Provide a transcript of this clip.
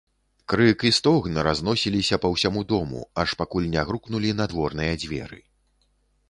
Крык і стогн разносіліся па ўсяму дому, аж пакуль не грукнулі надворныя дзверы.